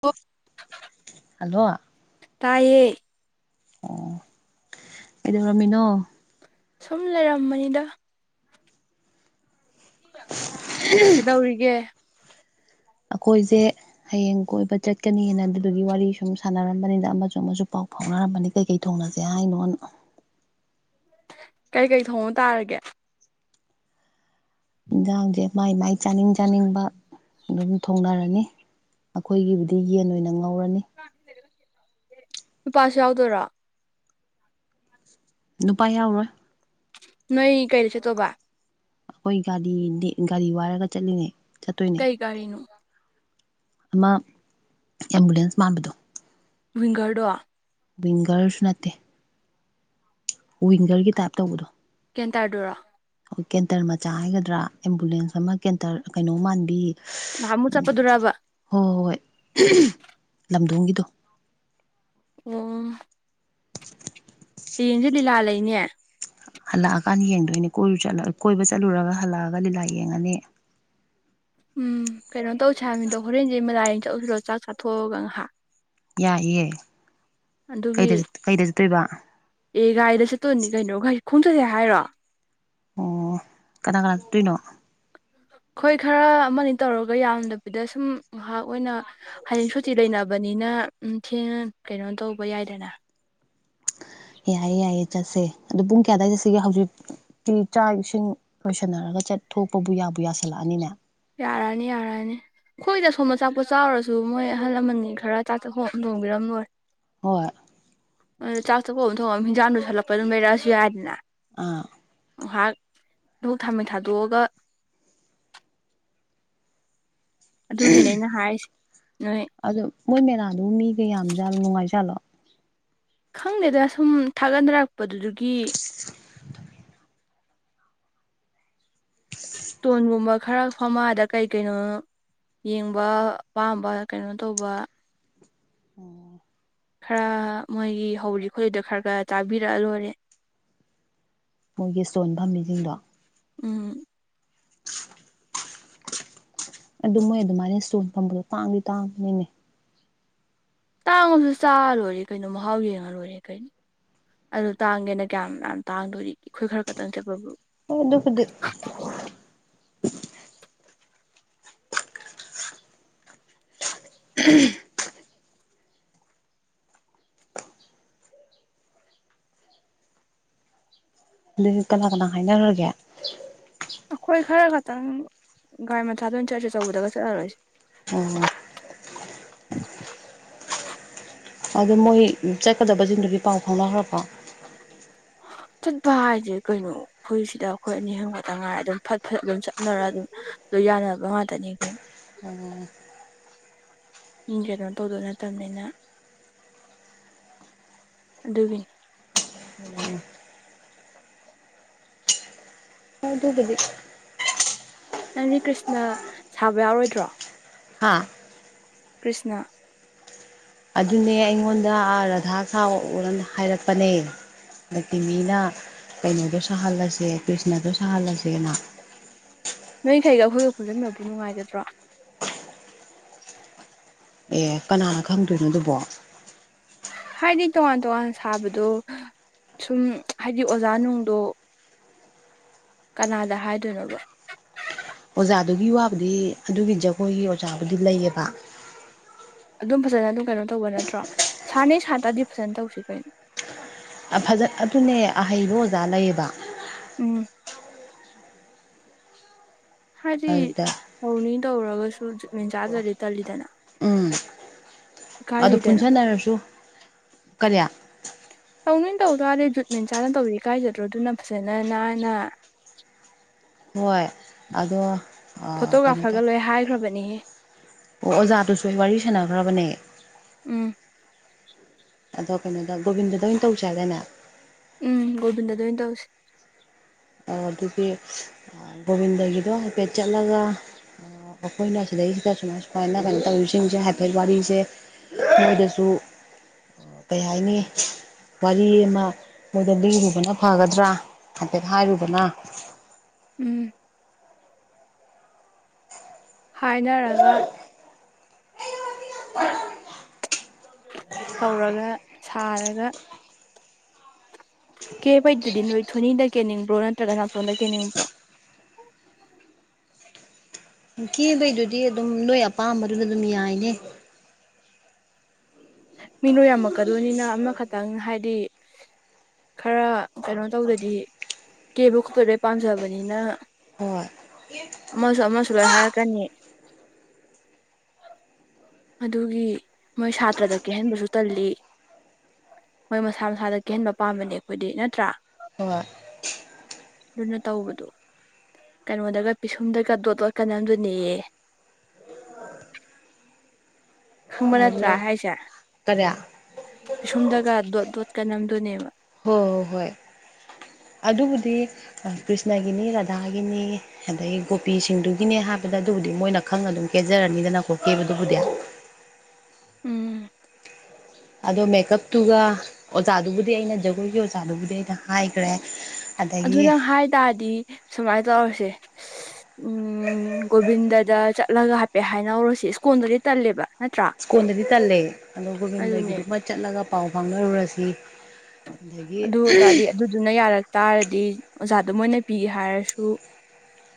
ꯑꯣ ꯍꯜꯂꯣ ꯇꯥꯏꯌꯦ ꯑꯣ ꯀꯩꯗꯧꯔꯝꯃꯤꯅꯣ ꯁꯨꯝ ꯂꯩꯔꯝꯕꯅꯤꯗ ꯀꯩꯗꯧꯔꯤꯒꯦ ꯑꯀꯣꯏꯖꯦ ꯍꯌꯦꯡ ꯀꯣꯏꯕ ꯆꯠꯀꯅꯤꯅ ꯑꯗꯨꯗꯨꯒꯤ ꯋꯥꯔꯤ ꯁꯨꯝ ꯁꯥꯟꯅꯔꯝꯕꯅꯤꯗ ꯑꯃꯖꯨ ꯑꯃꯖꯨ ꯄꯥꯎ ꯐꯥꯎꯅꯔꯝꯕꯅꯤ ꯀꯩꯀꯩ ꯊꯣꯡꯅꯖꯦ ꯍꯥꯏꯅꯣꯅ ꯀꯩꯀꯩ ꯊꯣꯡꯕ ꯇꯥꯔꯒꯦ ꯏꯟꯖꯥꯡꯖꯦ ꯃꯥꯏ ꯃꯥꯏ ꯆꯥꯅꯤꯡ ꯆꯥꯅꯤꯡꯕ ꯑꯗꯨꯝ ꯊꯣꯡꯅꯔꯅꯤ ꯑꯈꯣꯏꯒꯤꯕꯨꯗꯤ ꯌꯦꯟ ꯑꯣꯏꯅ ꯉꯧꯔꯅꯤ ꯅꯨꯄꯥꯁꯨ ꯌꯥꯎꯗꯣꯏꯔꯥ ꯅꯨꯄꯥ ꯌꯥꯎꯔꯣꯏ ꯅꯣꯏ ꯀꯩꯗ ꯆꯠꯇꯧꯕ ꯑꯩꯈꯣꯏ ꯒꯥꯔꯤꯗꯤ ꯒꯥꯔꯤ ꯋꯥꯏꯔꯒ ꯆꯠꯂꯤꯅꯦ ꯆꯠꯇꯣꯏꯅꯦ ꯀꯩ ꯀꯔꯤꯅꯣ ꯑꯃ ꯑꯦꯝꯕꯨꯂꯦꯟꯁ ꯃꯥꯟꯕꯗꯣ ꯋꯤꯡꯒꯔꯗꯣ ꯋꯤꯡꯒꯔꯁꯨ ꯅꯠꯇꯦ ꯋꯤꯡꯒꯔꯒꯤ ꯇꯥꯏꯞ ꯇꯧꯕꯗꯣ ꯀꯦꯟꯇꯔ ꯗꯨꯔꯣ ꯑꯩꯈꯣꯏ ꯀꯦꯟꯇꯔ ꯃꯆꯥ ꯍꯥꯏꯒꯗ꯭ꯔꯥ ꯑꯦꯝꯕꯨꯂꯦꯟꯁ ꯑꯃ ꯀꯦꯟꯇꯔ ꯀꯩꯅꯣ ꯃꯥꯟꯕꯤ ꯅꯍꯥꯃꯨꯛ ꯆꯠꯄꯗꯨꯔꯥꯕ ꯍꯣꯏ ꯍꯣ ꯍꯣꯏ ꯂꯝꯗꯣꯡꯒꯤꯗꯣ ꯑꯣ ꯍꯌꯦꯡꯖꯦ ꯂꯤꯂꯥ ꯂꯩꯅꯦ ꯍꯜꯂꯛꯑꯀꯥꯟꯗ ꯌꯦꯡꯗꯣꯏꯅꯦ ꯀꯣꯏꯔꯨ ꯆꯠꯂꯥ ꯀꯣꯏꯕ ꯆꯠꯂꯨꯔꯒ ꯍꯜꯂꯛꯑꯒ ꯂꯤꯂꯥ ꯌꯦꯡꯉꯅꯤ ꯎꯝ ꯀꯩꯅꯣ ꯇꯧꯁꯦ ꯍꯥꯏꯃꯤꯗꯣ ꯍꯣꯔꯦꯟꯖꯦ ꯃꯦꯂꯥ ꯌꯦꯡ ꯆꯠꯂꯨꯁꯤꯔꯣ ꯆꯥꯛ ꯆꯥꯊꯣꯛꯑꯒ ꯉꯥꯍꯥꯛ ꯌꯥꯏꯌꯦ ꯑꯗꯨꯒꯤ ꯀꯩꯗ ꯀꯩꯗ ꯆꯠꯇꯣꯏꯕ ꯑꯦ ꯒꯥꯔꯤꯗ ꯆꯠꯇꯣꯏꯅꯤ ꯀꯩꯅꯣ ꯒꯥꯔꯤ ꯈꯣꯡꯆꯠꯁꯦ ꯍꯥꯏꯔꯣ ꯑꯣ ꯀꯅꯥ ꯀꯅꯥ ꯆꯠꯇꯣꯏꯅꯣ ꯑꯩꯈꯣꯏ ꯈꯔ ꯑꯃꯅꯤ ꯇꯧꯔꯒ ꯌꯥꯝꯗꯕꯤꯗ ꯁꯨꯝ ꯉꯥꯛ ꯑꯣꯏꯅ ꯍꯌꯦꯡ ꯁꯨꯇꯤ ꯂꯩꯅꯕꯅꯤꯅ ꯎ ꯊꯦꯡ ꯀꯩꯅꯣ ꯇꯧꯕ ꯌꯥꯏꯗꯅ ꯌꯥꯏꯌꯦ ꯌꯥꯏꯌꯦ ꯆꯠꯁꯦ ꯑꯗꯣ ꯄꯨꯡ ꯀꯌꯥꯗꯥꯏ ꯆꯠꯁꯤꯒꯦ ꯍꯧꯖꯤꯛ ꯇꯤ ꯆꯥꯛ ꯏꯁꯤꯡ ꯂꯣꯏꯁꯟꯅꯔꯒ ꯆꯠ ꯊꯣꯛꯄꯕꯨ ꯌꯥꯕꯨ ꯌꯥꯁꯜꯂꯛꯑꯅꯤꯅꯦ ꯌꯥꯔꯅꯤ ꯌꯥꯔꯑꯅꯤ ꯑꯩꯈꯣꯏꯗ ꯁꯣꯝꯕ ꯆꯥꯛꯄ ꯆꯥꯎꯔꯁꯨ ꯃꯣꯏ ꯑꯍꯜ ꯂꯃꯟꯅꯤ ꯈꯔ ꯊꯣꯡꯕꯤꯔꯝꯂꯣꯏ ꯍꯣꯏ ꯑꯗꯣ ꯆꯥꯛ ꯆꯄ ꯑꯃ ꯊꯣꯡꯉꯝ ꯍꯟꯖꯥꯡꯗꯨꯣ ꯁꯜꯂꯛꯄ ꯑꯗꯨꯝ ꯂꯩꯔꯛꯑꯁꯨ ꯌꯥꯏꯗꯅ ꯑꯥ ꯉꯍꯥꯛ ꯗꯨꯛ ꯊꯥꯃꯩ ꯊꯥꯗꯣꯛꯑꯒ꯫ ꯑꯗꯨꯒꯤꯅꯦ ꯑꯩꯅ ꯍꯥꯏꯔꯤꯁꯦ ꯅꯣꯏ ꯑꯗꯨ ꯃꯣꯏ ꯃꯦꯂꯥꯗꯨꯕꯨ ꯃꯤꯒ ꯌꯥꯝꯖꯥꯠꯂꯣ ꯅꯨꯡꯉꯥꯏꯖꯥꯠꯂꯣ꯫ ꯈꯪꯗꯦꯗ ꯁꯨꯝ ꯊꯥꯒꯠꯅꯔꯛꯄꯗꯨꯗꯨꯒꯤ ꯫ ꯇꯣꯟꯒꯨꯝꯕ ꯈꯔ ꯐꯝꯃ ꯑꯥꯗ ꯀꯩ ꯀꯩꯅꯣ꯫ ꯌꯦꯡꯕ ꯑꯄꯥꯝꯕ ꯀꯩꯅꯣ ꯇꯧꯕ ꯫ ꯈꯔ ꯃꯣꯏꯒꯤ ꯍꯧꯔꯤ ꯈꯣꯠꯂꯤꯗꯣ ꯈꯔ ꯈꯔ ꯆꯥꯕꯤꯔꯛꯑ ꯂꯣꯏꯔꯦ ꯃꯣꯏꯒꯤ ꯏꯁ꯭ꯇꯣꯟ ꯐꯝꯃꯤꯁꯤꯡꯗꯣ ꯎꯝ ꯑꯗꯨ ꯃꯣꯏ ꯑꯗꯨꯃꯥꯏꯅ ꯁꯣꯟ ꯐꯝꯕꯗꯣ ꯇꯥꯡꯗꯤ ꯇꯥꯡꯕꯅꯤꯅꯦ ꯇꯥꯡ ꯑꯃꯁꯨ ꯆꯥꯔꯣꯏꯔꯦ ꯀꯩꯅꯣ ꯃꯍꯥꯎ ꯌꯦꯡꯉ ꯂꯣꯏꯔꯦ ꯀꯩꯅꯣ ꯑꯗꯨ ꯇꯥꯡꯒꯦꯅ ꯀꯌꯥꯝ ꯌꯥꯝ ꯇꯥꯡꯗꯣꯔꯤꯒꯦ ꯑꯩꯈꯣꯏ ꯈꯔ ꯈꯛꯇꯪ ꯆꯠꯄꯕꯨ ꯍꯣꯏ ꯗꯨ ꯈꯨꯗꯤ ꯎꯝ ꯑꯗꯨꯗꯤ ꯀꯅꯥ ꯀꯅꯥ ꯍꯥꯏꯅꯈ꯭ꯔꯥꯒꯦ꯫ ꯑꯈꯣꯏ ꯈꯔ ꯈꯛꯇꯪ ꯒꯥꯔꯤ ꯃꯆꯥꯗ ꯑꯣꯏꯅ ꯆꯠꯂꯁꯤ ꯆꯧꯕꯗꯒ ꯆꯠꯂꯔꯣꯏꯁꯤ꯫ ꯎꯝ꯫ ꯑꯗꯨ ꯃꯣꯏ ꯆꯠꯀꯗꯕꯁꯤꯡꯗꯨꯗꯤ ꯄꯥꯎ ꯐꯥꯎꯅꯈ꯭ꯔꯕꫭ꯫ ꯆꯠꯄ ꯍꯥꯏꯁ‌ꯦ ꯀꯩꯅꯣ꯫ ꯑꯈꯣꯏꯁꯤꯗ ꯑꯈꯣꯏ ꯑꯅꯤ ꯍꯦꯟ ꯈꯛꯇ ꯉꯥꯏꯔ ꯑꯗꯨꯝ ꯐꯠ ꯐꯠ ꯑꯗꯨꯝ ꯆꯠꯅꯔꯒ ꯑꯗꯨꯝ ꯑꯗꯨ ꯌꯥꯅꯕ ꯉꯥꯛꯇꯅꯤ ꯫ ꯃꯤ ꯀꯩꯅꯣ ꯇꯧꯗꫭ ꯅꯠꯇꯝꯅꯤꯅ ꯑꯗꯨꯒꯤꯅꯤ꯫ ꯫ ꯑꯗꯨꯒꯤꯗꯤ꯫ ꯅꯪꯗꯤ ꯀ꯭ꯔꯤꯁꯅ ꯁꯥꯕ ꯌꯥꯎꯔꯣꯏꯗ꯭ꯔꯣ꯫ ꯍꯥꯥ꯫ ꯀ꯭ꯔꯤꯁꯅ꯫ ꯑꯗꯨꯅꯦ ꯑꯩꯉꯣꯟꯗ ꯔꯥꯙꯥ ꯁꯥꯎꯅ ꯍꯥꯏꯔꯛꯄꯅꯦ꯫ ꯅꯠꯇꯤꯃꯤꯅ ꯀꯩꯅꯣꯗꯣ ꯁꯥꯍꯜꯂꯁꯦ ꯀ꯭ꯔꯤꯁꯅꯗꯣ ꯁꯥꯍꯜꯂꯁꯦꯅ꯫ ꯅꯣꯏꯈꯩꯒ ꯑꯈꯣꯏꯒ ꯄꯨꯖꯟꯅꯕꯗꯤ ꯅꯨꯡꯉꯥꯏꯒꯗ꯭ꯔꯣ꯫ ꯑꯦ ꯀꯅꯥꯅ ꯈꯪꯗꯣꯏꯅꯣ ꯑꯗꯨꯕꯣ꯫ ꯍꯥꯏꯗꯤ ꯇꯣꯉꯥꯟ ꯇꯣꯉꯥꯟ ꯁꯥꯕꯗꯣ ꯁꯨꯝ ꯍꯥꯏꯗꯤ ꯑꯣꯖꯥ ꯅꯨꯡꯗꯣ꯫ ꯀꯅꯥꯗ ꯍꯥꯏꯗꯣꯏꯅꯣꯕ꯫ ꯑꯣꯖꯥꯗꯨꯒꯤ ꯋꯥꯕꯨꯗꯤ ꯑꯗꯨꯒꯤ ꯖꯒꯣꯏꯒꯤ ꯑꯣꯖꯥꯕꯨꯗꯤ ꯂꯩꯌꯦꯕ꯫ ꯑꯗꯨꯝ ꯐꯖꯅ ꯑꯗꯨꯝ ꯀꯩꯅꯣ ꯇꯧꯕ ꯅꯠꯇ꯭ꯔꯣ ꯁꯥꯅꯤ ꯁꯥꯇꯔꯗꯤ ꯐꯖꯅ ꯇꯧꯁꯤ ꯀꯩꯅꯣ꯫ ꯐꯖ ꯑꯗꯨꯅꯦ ꯑꯍꯩꯕ ꯑꯣꯖꯥ ꯂꯩꯌꯦꯕ꯫ ꯎꯝ꯫ ꯍꯥꯏꯗꯤ ꯑꯗꯨꯗ ꯍꯧꯅꯤ ꯇꯧꯔꯒꯁꯨ ꯁꯨꯝ ꯖꯨꯠ ꯃꯦꯟꯆꯥꯥꯗ꯭ꯔꯥꯗꯤ ꯇꯜꯂꯤꯗꯅ꯫ ꯎꯝ ꯑꯗꯨ ꯏꯀꯥꯏꯖꯩꯗꯅ ꯄꯨꯟꯖꯟꯅꯔꯁꯨ ꯀꯔꯤ꯫ ꯇꯧ ꯅꯤꯟ ꯇꯧ ꯇꯥꯔꯗꯤ ꯖꯨꯠ ꯃꯦꯟ ꯆꯥꯅ ꯇꯧꯔꯤ ꯀꯥꯏꯖꯗ꯭ꯔꯣ ꯑꯗꯨꯅ ꯐꯖꯅ ꯅꯥꯟꯅ꯫ ꯍꯣꯏ ꯑꯗꯣ꯫ ꯀꯩꯅꯣ ꯇꯧ ꯐꯣꯇꯣꯒ꯭ꯔꯥꯐꯔꯒ ꯂꯣꯏ ꯍꯥꯏꯈ꯭ꯔꯕꯅꯤꯍꯦ꯫ ꯑꯣ ꯑꯣꯖꯥꯗꯨꯁꯨ ꯋꯥꯔꯤ ꯁꯥꯟꯅꯈ꯭ꯔꯕꯅꯦ꯫ ꯎꯝ ꯑꯗꯣ ꯀꯩꯅꯣꯗ ꯒꯣꯕꯤꯟꯗꯗ ꯑꯣꯏꯅ ꯇꯧꯁ‌ꯦ ꯍꯥꯏꯗꯥꯏꯅ‌ꯦ ꯫ ꯎꯝ ꯒꯣꯕꯤꯟꯗꯗ ꯑꫭꯏ ꯇꯧꯁꯤ꯫ ꯑꯗꯨꯒꯤ ꯒꯣꯕꯤꯟꯗꯒꯤꯗꯣ ꯍꯥꯏꯐꯦꯠ ꯆꯠꯂꯒ꯫ ꯑꯈꯣꯏꯅ ꯁꯤꯗꯩꯁꯤꯗ ꯁꯨꯃꯥꯏ ꯁꯨꯃꯥꯏꯅ ꯀꯩꯅꯣ ꯇꯧꯔꯤꯁꯤꯡꯁꯦ ꯍꯥꯏꯐꯦꯠ ꯋꯥꯔꯤꯁꯦ꯫ ꯃꯣꯏꯗꯁꯨ꯫ ꯀꯩ ꯍꯥꯏꯅꯤ ꯋꯥꯔꯤ ꯑꯃ ꯃꯣꯏꯗ ꯂꯤꯔꯨꯕꯅ ꯐꯒꯗ꯭ꯔꯥ꯫ ꯍꯥꯏꯐꯦꯠ ꯍꯥꯏꯔꯨꯕꯅ꯫ ꯎꯝ꯫ ꯍꯥꯏꯅꯔꯒ ꯇꯧꯔꯒ ꯁꯥꯔꯒ ꯀꯦꯕꯩꯗꯨꯗꯤ ꯅꯣꯏ ꯊꯣꯅꯤꯗ ꯀꯦꯅꯤꯡꯕ꯭ꯔꯣ ꯅꯠꯇ꯭ꯔꯒ ꯅꯥꯇꯣꯟꯗ ꯀꯦꯟꯅꯤꯡꯕ꯭ꯔꯣ ꯀꯦꯕꯩꯗꯨꯗꯤ ꯑꯗꯨꯝ ꯅꯣꯏ ꯑꯄꯥꯝꯕꯗꯨꯗ ꯑꯗꯨꯝ ꯌꯥꯏꯅꯦ ꯃꯤꯅꯣ ꯌꯥꯝꯃꯛꯀꯗꯣꯏꯅꯤꯅ ꯑꯃꯅ ꯈꯛꯇꯪ ꯍꯥꯏꯗꯤ ꯈꯔ ꯀꯩꯅꯣ ꯇꯧꯗꯗꯤ ꯀꯦꯕꯨ ꯈꯣꯠꯄ ꯂꯣꯏ ꯄꯥꯝꯖꯕꯅꯤꯅ ꯍꯣꯏ ꯑꯃꯁꯨ ꯑꯃꯁꯨ ꯂꯣꯏ ꯍꯥꯏꯔꯛꯀꯅꯤ꯫ ꯑꯗꯨꯒꯤ ꯃꯣꯏ ꯁꯥꯇ꯭ꯔꯗ ꯀꯦꯍꯟꯕꯁꯨ ꯇꯜꯂꯤ꯫ ꯃꯣꯏ ꯃꯁꯥ ꯃꯁꯥꯗ ꯀ‌ꯦꯍꯟꯕ ꯄꯥꯝꯕꯅꯦ ꯑꯈꯣꯏꯗꯤ ꯅꯠꯇ꯭ꯔꯥ꯫ ꯍꯣꯏ ꯑꯗꯨꯅ ꯇꯧꯕꯗꯨ꯫ ꯀꯩꯅꯣꯗꯒ ꯄꯤꯁꯨꯝꯗꯒ ꯗꯣꯠꯗ‍ꯣꯠꯀꯅꯝꯗꫭꯅꯦꯌꯦ꯫ ꯈꯪꯕ ꯅꯠꯇ꯭ꯔꯥ ꯑꯗꯣ ꯍꯥꯏꯁꯦ ꯀꯔꯤ ꯄꯤꯁꯨꯝꯗꯒ ꯗꯣꯠ ꯗꯣꯠꯀ ꯅꯝꯗꫭꯅꯦꯕ꯫ ꯍꯣꯏ ꯍꯣꯏ ꯍꯣꯏ ꯑꯗꯨꯕꯨꯗꯤ ꯀ꯭ꯔꯤꯁꯅꯒꯤꯅꯤ ꯔꯥꯙꯥꯒꯤꯅꯤ ꯑꯗꯒꯤ ꯒꯣꯄꯤꯁꯤꯡꯗꯨꯒꯤꯅꯦ ꯍꯥꯏꯕꯗ ꯑꯗꯨꯕꯨꯗꯤ ꯃꯣꯏꯅ ꯈꯪꯉ ꯑꯗꯨꯝ ꯀꯦꯖꯔꯅꯤꯗꯅꯀꯣ ꯀꯦꯕꯗꯨꯕꯨꯗꯤ ꯎꯝ ꯑꯗꯣ ꯃꯦꯀꯞꯇꯨꯒ ꯑꯣꯖꯥꯗꯨꯕꯨꯗꯤ ꯑꯩꯅ ꯖꯒꯣꯏꯒꯤ ꯑꯣꯖꯥꯗꯨꯕꯨꯗꯤ ꯑꯩꯅ ꯍꯥꯏꯈ꯭ꯔꯦ ꯑꯗꯨ ꯑꯗꯒꯤ ꯅꯪ ꯍꯥꯏ ꯇꯔꯗꯤ ꯁꯨꯃꯥꯏꯅ ꯇꯧꯔꯁꯦ ꯎꯝ ꯒꯣꯕꯤꯟꯗꯗ ꯆꯠꯂꯒ ꯍꯥꯏꯄꯦꯠ ꯍꯥꯏꯅꯍꯧꯔꯣꯁꯤ ꯁ꯭ꯀꯣꯟꯗꯗꯤ ꯇꯜꯂꯦꯕ ꯅꯠꯇ꯭ꯔꯥ ꯁ꯭ꯀꯣꯟꯜꯗꯗꯤ ꯇꯜꯂꯦ ꯑꯗꯣ ꯑꯗꯨꯅꯦ ꯒꯣꯕꯤꯟꯗꯒꯤꯗꯨꯃ ꯆꯠꯂꯒ ꯄꯥꯎ ꯐꯥꯎꯅꯔꯨꯔꯁꯤ ꯑꯗꯒꯤ ꯑꯗꯨ ꯑꯣꯏꯇꯥꯔꯗꯤ ꯑꯗꯨꯗꯨꯅ ꯌꯥꯔꯛ ꯇꯥꯔꯗꯤ ꯑꯣꯖꯥꯗꯨ ꯃꯣꯏꯅ ꯄꯤꯒꯦ ꯍꯥꯏꯔꯁꯨ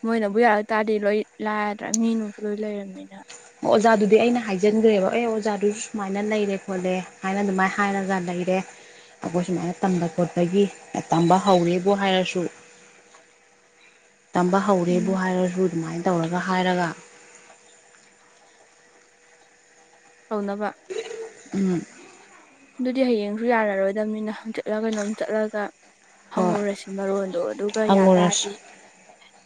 ꯃꯣꯏꯅꯕꯨ ꯌꯥꯔ ꯇꯥꯔꯗꯤ ꯂꯣꯏ ꯂꯥꯗ꯭ꯔꯥ ꯃꯤꯅꯨꯡꯁꯨ ꯂꯣꯏ ꯂꯩꯔꯝꯅꯤꯅ ꯑꯣꯖꯥꯗꯨꯗꯤ ꯑꯩꯅ ꯍꯥꯏꯖꯤꯟꯈ꯭ꯔꯦꯕ ꯑꯦ ꯑꯣꯖꯥꯗꯨꯁꯨ ꯁꯨꯃꯥꯏꯅ ꯂꯩꯔꯦ ꯈꯣꯠꯂꯦ ꯍꯥꯏꯅ ꯑꯗꯨꯃꯥꯏꯅ ꯍꯥꯏꯔꯒ ꯂꯩꯔꯦ ꯑꯩꯈꯣꯏ ꯁꯨꯃꯥꯏꯅ ꯇꯝꯕ ꯈꯣꯠꯄꯒꯤ ꯇꯝꯕ ꯍꯧꯔꯦꯕꯨ ꯍꯥꯏꯔꯁꯨ ꯇꯝꯕ ꯍꯧꯔꯦꯕꯨ ꯎꯝ ꯍꯥꯏꯔꯁꯨ ꯑꯗꯨꯃꯥꯏꯅ ꯇꯧꯔꯒ ꯍꯥꯏꯔꯒ ꯇꯧꯅꯕ ꯎꯝ ꯑꯗꯨꯗꯤ ꯍꯌꯦꯡꯁꯨ ꯌꯥꯔꯔꯣꯏꯗꯕꯅꯤꯅ ꯍꯪꯆꯤꯠꯂ ꯀꯩꯅꯣꯝ ꯆꯠꯂꯒ ꯍꯣꯏ ꯍꯪꯉꯨꯔꯁꯤ ꯃꯔꯣꯟꯗꯣ ꯑꯗꯨꯒ ꯌꯥ ꯍꯪꯉꯨꯔꯁꯤ ꯇꯔꯗꯤ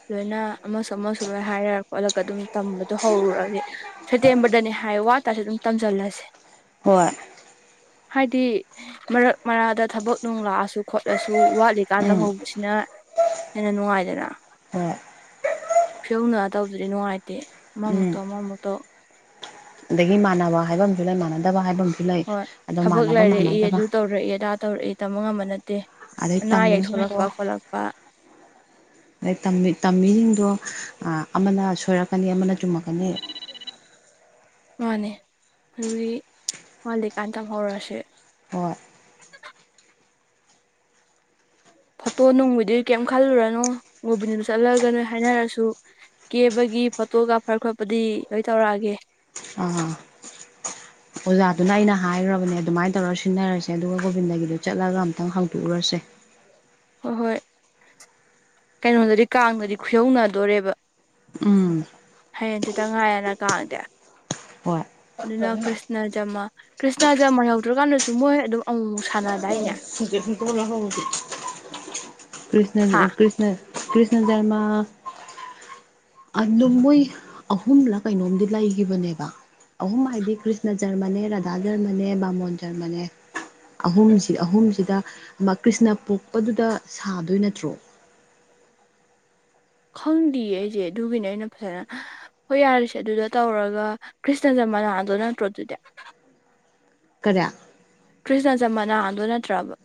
ꯂꯣꯏꯅ ꯑꯃꯁꯨ ꯑꯃꯁꯨ ꯂꯣꯏ ꯍꯥꯏꯔ ꯈꯣꯠꯂꯒ ꯑꯗꯨꯝ ꯇꯝꯕꯗꯣ ꯍꯧꯔꯨꯔꯒꯦ ꯁꯦꯞꯇꯦꯝꯕꯔꯗꯅꯦ ꯍꯥꯏ ꯋꯥꯇꯥꯔꯁꯨ ꯑꯗꯨꯝ ꯇꯝꯁꯤꯜꯂꯁꯦ ꯍꯣꯏ ꯍꯥꯏꯗꯤ ꯃꯔꯛ ꯃꯔꯥꯗ ꯊꯕꯛ ꯅꯨꯡ ꯂꯥꯛꯑꯁꯨ ꯈꯣꯠꯂꯁꯨ ꯋꯥꯠꯂꯤꯀꯥꯟ ꯇꯝ ꯎꯝ ꯍꯧꯕ ꯁꯤꯅ ꯍꯦꯟꯅ ꯅꯨꯡꯉꯥꯏꯗꯅ ꯍ [unintelligible] ꯐꯤꯔꯧꯅ ꯇꯧꯗꯨꯗꯤ ꯅꯨꯡꯉꯥꯏꯇꯦ ꯑꯃ ꯎꯝ ꯃꯨꯛꯇꯣ ꯑꯃ ꯃꯨꯛꯇꯣ ꯑꯗꯒꯤ ꯃꯥꯟꯅꯕ ꯍꯥꯏꯕ ꯑꯃꯁꯨ ꯂꯩ ꯃꯥꯟꯅꯗꯕ ꯍꯥꯏꯕ ꯑꯝ ꯍꯣꯏ ꯊꯕꯛ ꯂꯩꯔꯛꯏ ꯑꯗꯨ ꯇꯧꯔꯛꯏ ꯑꯗꯥ ꯇꯧꯔꯛꯏ ꯇꯝꯕ ꯉꯝꯕ ꯅꯠꯇꯦ ꯑꯅꯥ ꯑꯌꯦꯛ ꯊꯣꯛꯂꯛꯄ ꯈꯣꯠꯂꯛꯄ ꯃ [inaudible] ꯑꯗꯩ ꯇꯝꯃꯤꯁꯤꯡꯗꯣ ꯑꯃꯅ ꯁꯣꯏꯔꯛꯀꯅꯤ ꯑꯃꯅ ꯆꯨꯝꯃꯛꯀꯅꯤ ꯃꯥꯅꯦ ꯑꯗꯨꯒꯤ ꯋꯥꯠꯂꯤꯀꯥꯟ ꯇꯝ ꯍꯧꯔꯁꯦ ꯍꯣꯏ ꯐꯣꯇꯣ ꯅꯨꯡꯕꯨꯗꯤ ꯀꯩꯝ ꯈꯜꯂꯨꯔꯅꯨ ꯃꯨꯕꯤꯅꯤꯗꯨ ꯆꯠꯂꯒꯅꯣꯏ ꯍꯥꯏꯅꯔꯁꯨ ꯀꯦꯕꯒꯤ ꯐꯣꯇꯣꯒ ꯐꯔ ꯈꯣꯠꯄꯗꯤ ꯂꯣꯏ ꯇꯧꯔꯛꯑꯒꯦ ꯑ ꯑꯣꯖꯥꯗꯨꯅ ꯑꯩꯅ ꯍꯥꯏꯈ꯭ꯔꯕꯅꯦ ꯑꯗꯨꯃꯥꯏꯅ ꯇꯧꯔ ꯁꯤꯟꯅꯔꯁꯦ ꯑꯗꯨꯒ ꯒꯣꯕꯤꯟꯗꯒꯤꯗꯨꯣ ꯆꯠꯂꯒ ꯑꯝꯇꯪ ꯍꯥꯡꯗꯣꯛꯎꯔꯁꯦ ꯍꯣꯏ ꯍꯣꯏ ꯀꯩꯅꯣꯗꯗꯤ ꯀꯥꯡꯅꯗꯤ ꯈꯨꯌꯧꯅꯗꯣꯔꯦꯕ ꯎꯝ ꯍꯌꯦꯡꯁꯤꯦꯇꯪ ꯉꯥꯏꯔꯅ ꯀꯥꯡꯥꯡꯗꯦ ꯍꯣꯏ ꯑꯗꯨꯅ ꯀ꯭ꯁꯅ ꯖꯃꯥ ꯀ꯭ꯔꯤꯁꯅ ꯖꯃꯟ ꯌꯧꯗ꯭ꯔꯀꯥꯟꯗꯁꯨ ꯃꯣꯏ ꯑꯗꯨꯝ ꯑꯃꯨꯛꯃꯨꯛ ꯁꯥꯟꯅꯗꯥꯏꯅꯦ ꯍ ꯀ꯭ꯅ ꯍꯥ ꯀ꯭ꯁꯅ [unintelligible] ꯀ꯭ꯔꯤꯁꯅ ꯖꯃ ꯑꯗꯨ ꯃꯣꯏ ꯑꯍꯨꯝꯂ ꯀꯩꯅꯣꯝꯗꯤ ꯂꯩꯈꯤꯕꯅꯦꯕ ꯑꯍꯨꯝ ꯍꯥꯏꯗꯤ ꯀ꯭ꯔꯤꯁꯅ ꯖꯔꯃꯅꯦ ꯔꯥꯙꯥ ꯖꯔꯃꯅꯦ ꯕꯥꯃꯣꯟ ꯖꯔꯃꯅꯦ ꯑꯍꯨꯝꯁꯤ ꯑꯍꯨꯝꯁꯤꯗ ꯀ꯭ꯔꯤꯁꯅ ꯄꯣꯛꯄꯗꯨꯗ ꯁꯥꯗꯣꯏ ꯅꯠꯇ꯭ꯔꯣ ꯈꯪꯗꯦꯌꯦ ꯑꯩꯁꯦ ꯑꯗꯨꯒꯤꯅꯦ ꯑꯩꯅ ꯐꯖꯅ ꯍꯣꯏ ꯌꯥꯔꯤꯁꯦ ꯑꯗꯨꯗ ꯇꯧꯔꯒ ꯀ꯭ꯔꯤꯁꯅꯖ ꯃꯅꯥꯗꯣ ꯅꯠꯇ꯭ꯔꯣ ꯑꯗꯨꯗꯤ ꯀꯔ ꯀ꯭ꯔꯤꯁꯅꯖ ꯃꯅꯥꯗꯣ ꯅꯠꯇ꯭ꯔꯕ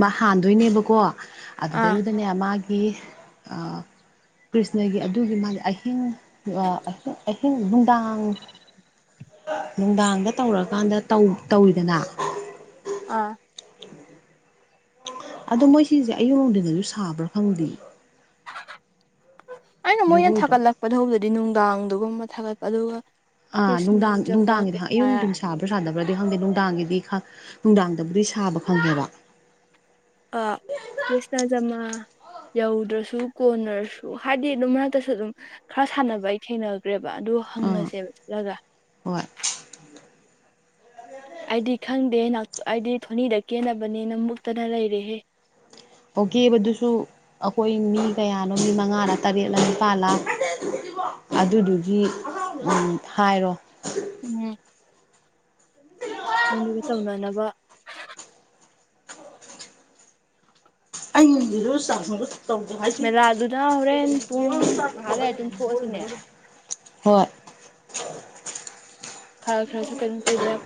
ꯃꯥ ꯍꯥꯟꯗꯣꯏꯅꯦꯕꯀꯣ ꯑꯥ ꯑꯗꯨꯗꯩꯔꯨꯗꯅꯦ ꯃꯥꯒꯤ ꯒꯤ ꯀ꯭ꯔꯤꯁꯅꯒꯤ ꯑꯗꯨꯒꯤ ꯃꯥꯗꯤ ꯑꯍꯤꯡ ꯑꯍꯤꯡ ꯨꯗꯥꯡ ꯅꯨꯡꯗꯥꯡꯗ ꯇꯧꯔꯀꯥꯟꯗ ꯇꯧꯋꯤꯗꯅ ꯑꯥ ꯑꯗꯣ ꯃꯣꯏ ꯁꯤꯁꯦ ꯑꯌꯨꯛ ꯂꯅꯨꯡꯝꯗꯗꯁꯨ ꯁꯥꯕ꯭ꯔꯥ ꯈꯪꯗꯦ ꯑꯩꯅ ꯃꯣꯏꯅ ꯖꯒꯣꯏꯗꯣ ꯊꯥꯒꯠꯂꯛꯄꯗꯧꯕꯗꯗꯤ ꯅꯨꯡꯗꯥꯡꯗꯨꯒꯨꯝꯕ ꯊꯥꯒꯠ ꯑꯗꯨꯒ ꯑꯥ ꯅꯨꯡꯗꯥꯡ ꯀ꯭ꯔꯤꯁꯅꯖꯃꯥ ꯅꯨꯡꯗꯥꯡꯒꯤꯗꯤ ꯈꯪ ꯑꯌꯨꯛ ꯀꯩꯀꯥ ꯅꯨꯡꯊꯤꯟ ꯁꯥꯕ꯭ꯔꯥ ꯁꯥꯗꯕ꯭ꯔꯗꯤ ꯈꯪꯗꯦ ꯅꯨꯡꯗꯥꯡꯒꯤꯗꯤ ꯅꯨꯡꯗꯥꯡꯗꯕꯨꯗꯤ ꯁꯥꯕ ꯈꯪꯉꯦꯕ ꯑ ꯀ꯭ꯔꯤꯁꯅꯖꯃꯥ ꯌꯧꯗ꯭ꯔꯁꯨ ꯀꯣꯟꯅꯔꯁꯨ ꯍꯥꯏꯗꯤ ꯑꯗꯨꯝ ꯃꯔꯛꯇꯁꯨ ꯑꯗꯨꯝ ꯈꯔ ꯁꯥꯟꯅꯕ ꯑꯩ ꯈꯦꯡꯅꯕ ꯆ꯭ꯔꯦꯕ ꯑꯗꯨꯗꯣ ꯑꯥ ꯍꯪꯉꯁꯦꯕ ꯆꯠꯂꯒ ꯍꯣꯏ ꯑꯩꯗꯤ ꯈꯪꯗꯦꯦ ꯑꯩꯗꯤ ꯊꯣꯅꯤꯗ ꯀꯦꯟꯅꯕꯅꯤꯅ ꯃꯨꯛꯇꯅ ꯂꯩꯔꯦꯍꯦ ꯑꯣꯒꯦꯕꯗꯨꯁꯨ ꯑꯩꯈꯣꯏ ꯃꯤ ꯀꯌꯥꯅꯣ ꯃꯤ ꯃꯉꯥꯔ ꯇꯔꯦꯠꯂꯥ ꯅꯤꯄꯥꯜꯂꯥ ꯑꯗꯨꯗꯨꯒꯤ ꯍꯥꯏꯔꯣ ꯎꯝ ꯑꯗꯨꯒ ꯇꯧꯅꯅꯕ ꯑ ꯁꯥ ꯇꯧꯗ ꯃꯦꯂꯥꯗꯨꯅ ꯍꯣꯔꯦꯟ ꯄꯨꯡ ꯍꯥꯏꯁꯤꯦꯕ ꯉꯥꯏꯍꯥꯛ ꯂꯩꯔ ꯑꯗꯨꯝ ꯊꯣꯛꯑꯁꯤꯅꯦ ꯈꯔ ꯈꯔꯁꯨ ꯀꯩꯅꯝ ꯇꯧꯗ ꯌꯥꯦ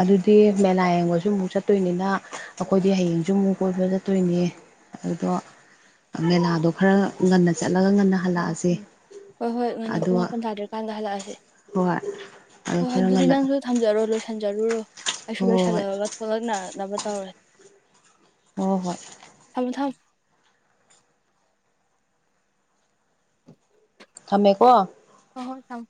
ꯑꯗꯨꯗꯤ ꯃꯦꯂꯥ ꯌꯦꯡꯕꯁꯨ ꯑꯃꯨꯛ ꯆꯠꯇꯣꯏꯅꯤꯅ ꯑꯩꯈꯣꯏꯗꯤ ꯍꯌꯦꯡꯁꯨ ꯑꯃꯨꯛ ꯀꯣꯏꯕ ꯆꯠꯇꯣꯏꯅꯤ ꯑꯗꯨꯗꯣ ꯃꯦꯂꯥꯗꯣ ꯈꯔ ꯉꯟꯅ ꯆꯠꯂꯒ ꯉꯟꯅ ꯍꯜꯂꯛꯑꯁꯤ ꯍꯣꯏ ꯍꯣꯏ ꯉꯟꯅ ꯄꯨꯡ ꯃꯥꯄꯟ ꯇꯥꯗ꯭ꯔꯤꯀꯥꯟꯗ ꯍꯜꯂꯛꯑꯁꯦ ꯍꯣꯏ ꯑꯗꯣ ꯍꯣꯏ ꯍꯣꯏ ꯈꯔ ꯑꯗꯨꯗꯤ ꯉꯟꯅ ꯅꯪꯁꯨ ꯊꯝꯖꯔꯣ ꯂꯣꯏꯁꯤꯟꯖꯔꯨꯔꯣ ꯑꯩꯁꯨ ꯍꯣꯏ ꯍꯣꯏ ꯂꯣꯏꯁꯤꯜꯂꯨꯔꯒ ꯊꯣꯛꯂꯛꯅꯔꯛꯅꯕ ꯇꯧꯔꯦ ꯑꯣ ꯍꯣꯏ ꯊꯝ ꯊꯝ ꯊꯝꯃꯦꯀꯣ ꯍ ꯍꯣꯏ ꯊꯝ